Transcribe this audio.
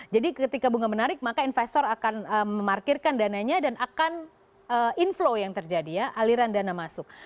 jadi ketika bunga menarik maka investor akan memarkirkan dananya dan akan inflow yang terjadi ya aliran dana masuk